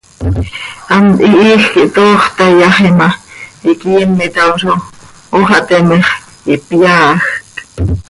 Hant hihiij quih toox tayaxi ma, iquiim ihtamzo, hoo xah teme x, ihpyaajc.